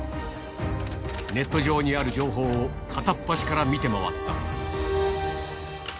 ネット上にある情報を片っ端から見て回った。